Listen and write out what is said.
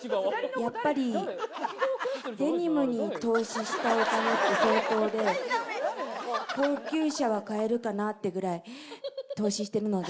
やっぱり、デニムに投資したお金って相当で、高級車は買えるかなってぐらい、投資してるので。